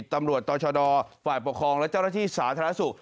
ตำรวจต่อชะดอฝ่ายปกครองและเจ้าหน้าที่สาธารณสุข